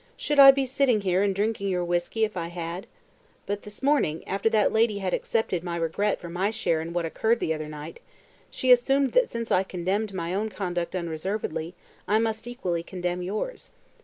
"Should I be sitting here and drinking your whisky if I had? But this morning, after that lady had accepted my regret for my share in what occurred the other night, she assumed that since I condemned my own conduct unreservedly, I must equally condemn yours.